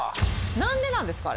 何でなんですか？